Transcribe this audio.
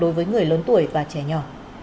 cho người và trẻ nhỏ